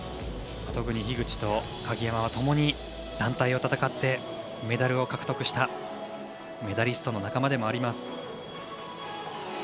特に樋口と鍵山はともに団体を戦ってメダルを獲得したメダリストの仲間でもあります。